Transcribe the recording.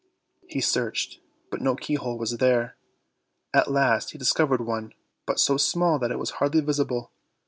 He searched, but no keyhole was there. At last he discovered one, but so small that it was hardly visible.